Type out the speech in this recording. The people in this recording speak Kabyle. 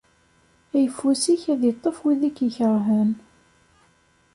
Ayeffus-ik ad iṭṭef wid i k-ikerhen.